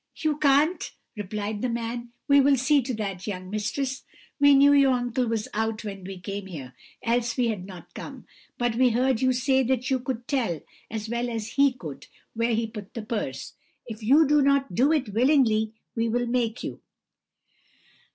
"'You can't?' replied the man; 'we will see to that, young mistress; we knew your uncle was out when we came here, else we had not come; but we heard you say that you could tell, as well as he could, where he put the purse; if you do not do it willingly, we will make you.'